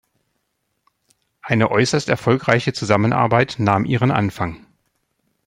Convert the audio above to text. Eine äußerst erfolgreiche Zusammenarbeit nahm ihren Anfang.